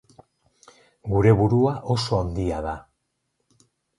Gure burua oso handia da.